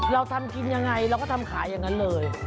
เราทำกินยังไงเราก็ทำขายอย่างนั้นเลย